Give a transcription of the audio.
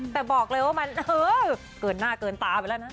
แต่บอกเลยว่ามันเกินหน้าเกินตาไปแล้วนะ